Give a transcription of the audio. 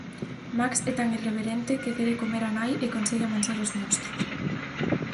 Max é tan irreverente que quere comer á nai e consegue amansar aos monstros.